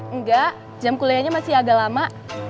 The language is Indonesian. enggak jam kuliahnya masih agak lama